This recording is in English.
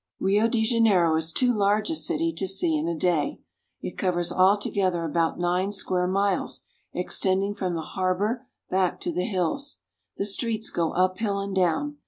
Rio de Janeiro is too large a city to see in a day. It covers all together about nine square miles, extending from the harbor back to the hills. The streets go up hill and down.